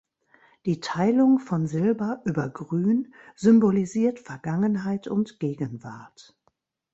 Die Teilung von Silber über Grün symbolisiert Vergangenheit und Gegenwart.